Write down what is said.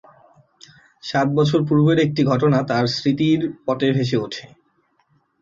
সাত বছর পূর্বের একটি ঘটনা তাঁর স্মৃতির পটে ভেসে উঠে।